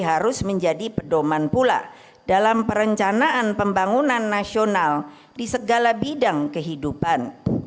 harus menjadi pedoman pula dalam perencanaan pembangunan nasional di segala bidang kehidupan